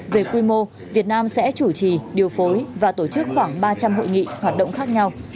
về quy mô việt nam sẽ chủ trì điều phối và tổ chức khoảng ba trăm linh hội nghị hoạt động khác nhau